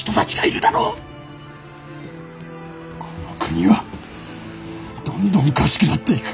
この国はどんどんおかしくなっていく。